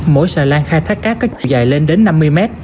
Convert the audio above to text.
mỗi sà lan khai thác cát có chụp dài lên đến năm mươi mét